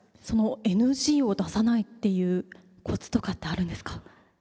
そのＮＧを出さないっていうコツとかってあるんですか？